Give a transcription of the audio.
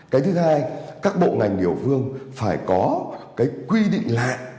cái thứ hai các bộ ngành địa phương phải có cái quy định lại